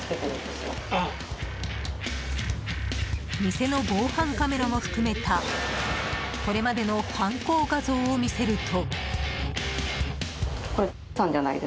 店の防犯カメラも含めたこれまでの犯行画像を見せると。